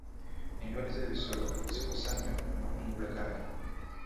Endwadde z'ebisolo zikosa nnyo amakungula g'abalimi.